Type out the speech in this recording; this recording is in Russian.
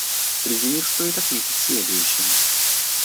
Среди них стоит отметить следующие.